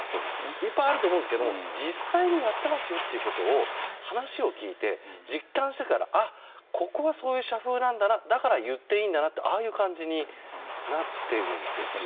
いっぱいあると思うんですけれど実際にやっていますよということを話を聞いて実感したから、ああここはそういう社風なんだなだから言っていいんだなってああいう感じになっているんですよね。